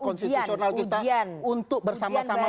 konstitusional kita untuk bersihkan ini ujian ujian